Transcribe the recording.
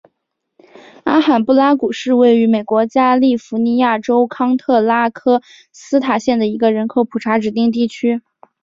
阿罕布拉谷是位于美国加利福尼亚州康特拉科斯塔县的一个人口普查指定地区。